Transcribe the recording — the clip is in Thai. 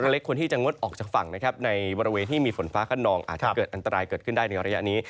เล็กควรที่จะงดออกจากฝั่งนะครับในบริเวณที่มีฝนฟ้าขนองอาจจะเกิดอันตรายเกิดขึ้นได้ในระยะนี้